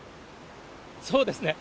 そうですね。